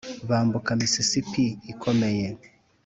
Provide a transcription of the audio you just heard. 'bambuka mississippi ikomeye